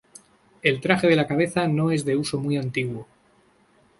El traje de la cabeza no es de uso muy antiguo.